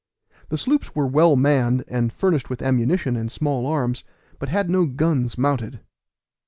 The sloops were well manned, and furnished with ammunition and small arms, but had no guns mounted.